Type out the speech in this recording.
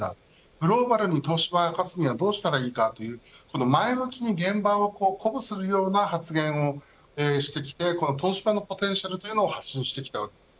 グローバルに東芝が勝つにはどうしたらいいかと前向きに現場を鼓舞するような発言をしてきて東芝のポテンシャルを発信してきたわけです。